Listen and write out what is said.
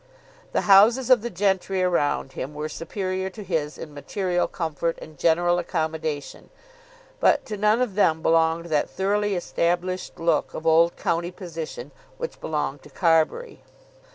The houses of the gentry around him were superior to his in material comfort and general accommodation, but to none of them belonged that thoroughly established look of old county position which belonged to Carbury.